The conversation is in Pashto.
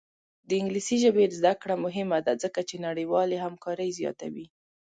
د انګلیسي ژبې زده کړه مهمه ده ځکه چې نړیوالې همکاري زیاتوي.